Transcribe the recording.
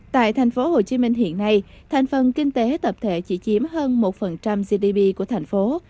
tại thành phố hồ chí minh hiện nay thành phần kinh tế tập thể chỉ chiếm hơn một gdp của thành phố